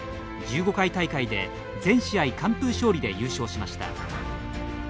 １５回大会で全試合完封勝利で優勝しました。